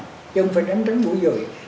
chứ không phải đánh trắng bụi dồi